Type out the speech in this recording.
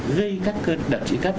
gây các đợt trĩ cấp